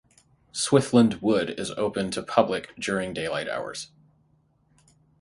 Swithland Wood is open to the public during daylight hours.